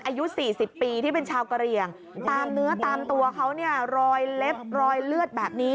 อายุ๔๐ปีที่เป็นชาวกะเหลี่ยงตามเนื้อตามตัวเขาเนี่ยรอยเล็บรอยเลือดแบบนี้